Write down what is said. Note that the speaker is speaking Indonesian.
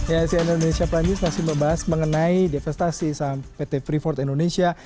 ya si ananisia prime news masih membahas mengenai devastasi saham pt free forth indonesia